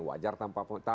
wajar tanpa pengecualian